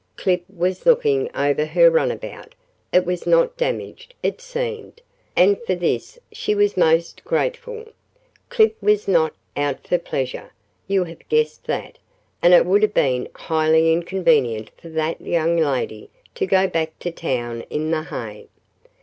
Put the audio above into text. Clip was looking over her runabout. It was not damaged, it seemed, and for this she was most grateful. Clip was not out for pleasure you have guessed that and it would have been highly inconvenient for that young lady to go back to town in the hay.